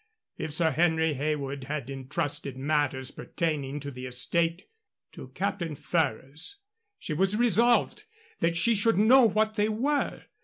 If Sir Henry Heywood had intrusted matters pertaining to the estate to Captain Ferrers, she was resolved that she should know what they were.